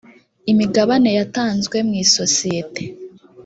imigabane yatanzwe mu isosiyete .